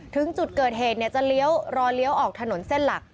ถึงจุดเกิดเหตุจะเลี้ยวรอเลี้ยวออกถนนเส้นหลัก